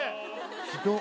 ひどっ！